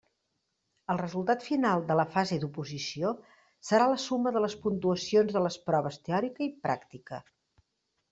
El resultat final de la fase d'oposició serà la suma de les puntuacions de les proves teòrica i pràctica.